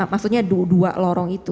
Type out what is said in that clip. maksudnya dua lorong itu